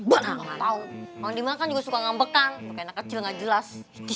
bahaya apa tau orang dimah kan juga suka ngambekan pake anak kecil gak jelas